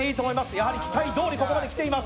やはり期待どおりここまできています。